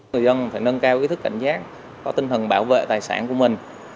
người dân phải nâng cao ý thức cảnh giác có tinh thần bảo vệ tài sản của mình